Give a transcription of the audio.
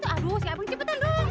aduh siap bang cepetan dong